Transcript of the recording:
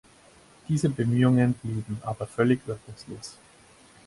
Diese Bemühungen blieben aber völlig wirkungslos.